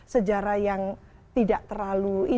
sejarah yang tidak terlalu